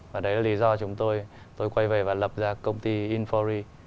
và đấy là lý do chúng tôi tôi quay về và lập ra công ty infori